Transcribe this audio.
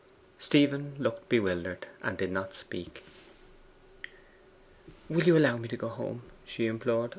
Stephen looked bewildered, and did not speak. 'Will you allow me to go home?' she implored.